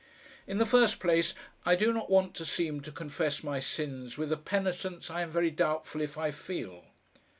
In the first place I do not want to seem to confess my sins with a penitence I am very doubtful if I feel.